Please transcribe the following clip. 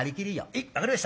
『へい分かりました。